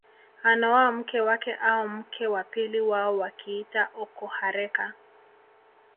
Anaoa mke wake au mke wa pili wao wakiita okohareka